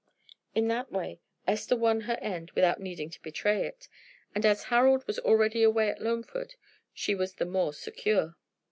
In that way Esther won her end without needing to betray it; and as Harold was already away at Loamford, she was the more secure.